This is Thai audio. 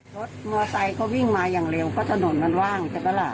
รถมอไซค์เขาวิ่งมาอย่างเร็วเพราะถนนมันว่างใช่ปะล่ะ